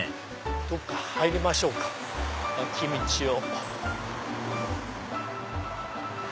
どっか入りましょうか脇道を。